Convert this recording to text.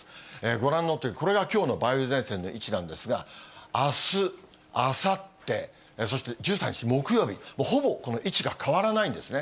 ご覧のように、これがきょうの梅雨前線の位置なんですが、あす、あさって、そして１３日木曜日、ほぼこの位置が変わらないんですね。